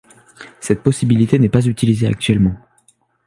Cette possibilité n'est pas utilisée actuellement.